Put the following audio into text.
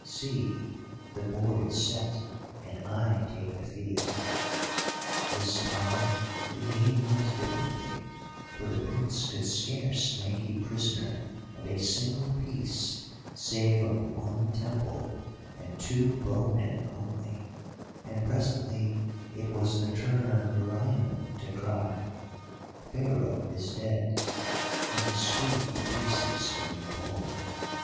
See, the board is set and I take the field.' "This time the game went differently, for the Prince could scarce make a prisoner of a single piece save of one temple and two bowmen only, and presently it was the turn of Meriamun to cry 'Pharaoh is dead,' and to sweep the pieces from the board.